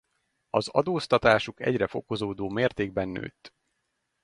Az adóztatásuk egyre fokozódó mértékben nőtt.